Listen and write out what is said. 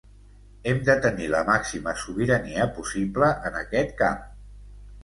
Hem de tenir la màxima sobirania possible en aquest camp.